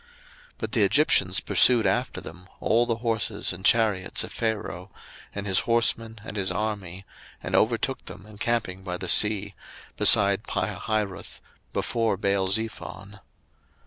02:014:009 But the Egyptians pursued after them, all the horses and chariots of Pharaoh, and his horsemen, and his army, and overtook them encamping by the sea, beside Pihahiroth, before Baalzephon.